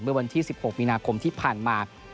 เมื่อวันที่๑๖มีนาคมที่ผ่านมา